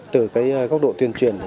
từ cái góc độ tuyên truyền